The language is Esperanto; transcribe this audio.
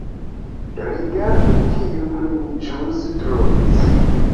Rigardu kiun mi ĵus trovis